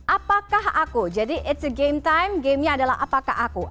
apakah aku jadi it's a game time gamenya adalah apakah aku